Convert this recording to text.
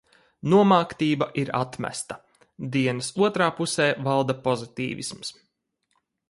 Nomāktība ir atmesta. Dienas otrā pusē valda pozitīvisms.